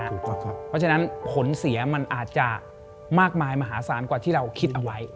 เพราะฉะนั้นผลเสียมันอาจจะมากมายมหาศาลกว่าที่เราคิดเอาไว้